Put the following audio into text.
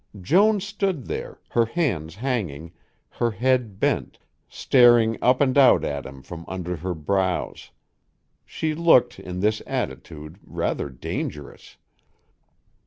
Joan stood there, her hands hanging, her head bent, staring up and out at him from under her brows. She looked, in this attitude, rather dangerous.